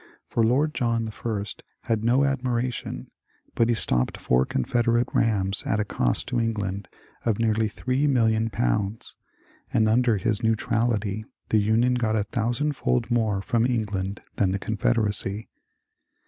For Lord John I had no admiration, but he stopped four Confed erate rams at a cost to England of nearly three million pounds, and under his ^' neutrality " the Union got a thousandfold more from England than the Confederacy.